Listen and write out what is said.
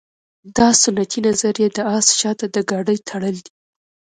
دا سنتي نظریه د اس شاته د ګاډۍ تړل دي